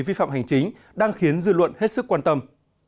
vi phạm hành chính đang khiến dư luận hết sức quan tâm